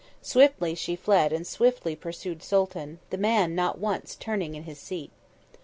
Swiftly she fled and swiftly pursued Sooltan, the man not once turning in his seat.